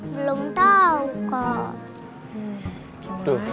belum tau kak